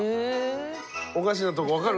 おかしなとこ分かる？